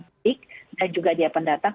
mudik dan juga dia pendatang